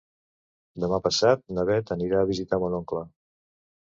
Demà passat na Beth anirà a visitar mon oncle.